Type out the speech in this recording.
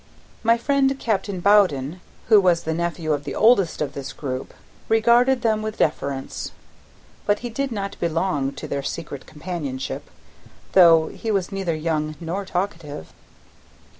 My friend, Captain Bowden, who was the nephew of the eldest of this group, regarded them with deference; but he did not belong to their secret companionship, though he was neither young nor talkative.